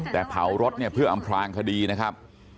แต่เผารถเนี่ยเพื่ออำพลางคดีนะครับ